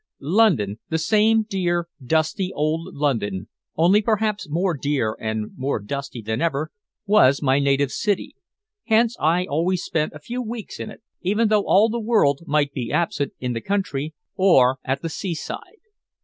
London, the same dear, dusty old London, only perhaps more dear and more dusty than ever, was my native city; hence I always spent a few weeks in it, even though all the world might be absent in the country, or at the seaside.